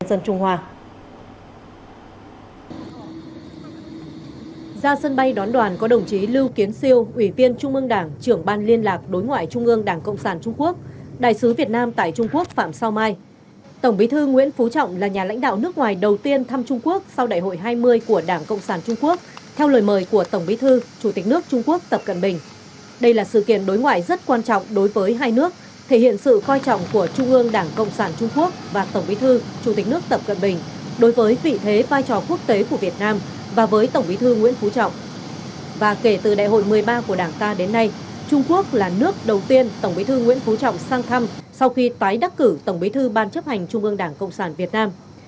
sau khi tái đắc cử tổng bí thư ban chấp hành trung ương đảng cộng sản việt nam